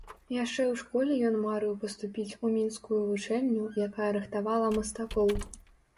Яшчэ ў школе ён марыў паступіць у мінскую вучэльню, якая рыхтавала мастакоў.